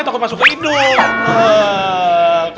atau masuk ke hidung